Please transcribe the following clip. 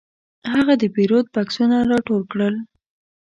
هغه د پیرود بکسونه راټول کړل.